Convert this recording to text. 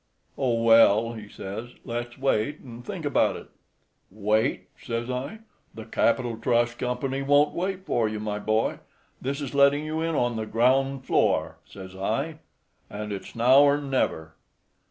'Oh, well,' he says, 'let's wait and think about it.' 'Wait!' says I, 'the Capitoline Trust Company won't wait for you, my boy. This is letting you in on the ground floor,' says I, 'and it's now or never.